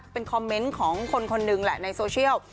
เป็นคอมเมนต์ของคนคนหนึ่งแหละในโซเชียล